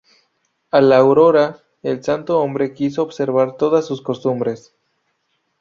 A la aurora el santo hombre quiso observar todas sus costumbres.